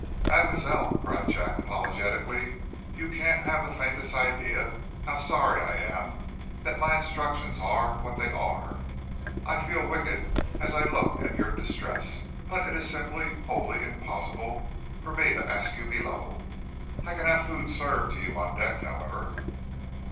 "Mademoiselle," cried Jack, apologetically, "you can't have the faintest idea how sorry I am that my instructions are what they are I feel wicked as I look at your distress, but it is simply wholly impossible for me to ask you below. I can have food served to you on deck, however."